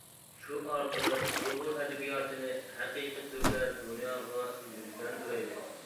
شۇ ئارقىلىق ئۇيغۇر ئەدەبىياتىنى ھەقىقىي تۈردە دۇنياغا يۈزلەندۈرەيلى!